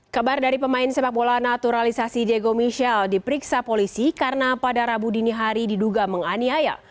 kebar dari pemain sepak bola naturalisasi diego michel diperiksa polisi karena pada rabu dini hari diduga menganiaya